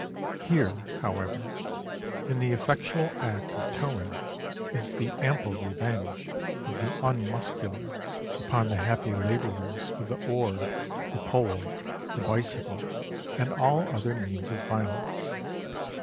Here, however, in the effectual act of towing, is the ample revenge of the unmuscular upon the happy labourers with the oar, the pole, the bicycle, and all other means of violence.